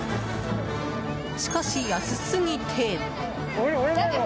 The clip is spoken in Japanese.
しかし、安すぎて。